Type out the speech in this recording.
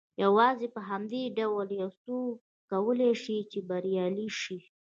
يوازې په همدې ډول يو څوک کولای شي چې بريالی شي.